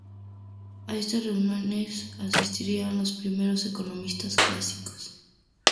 A estas reuniones asistían los primeros economistas clásicos.